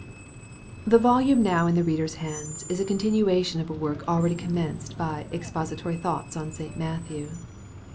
THK volume now in the reader's hands, is a continuation of a work already commenced by " Expository Thoughts on St. Matthew."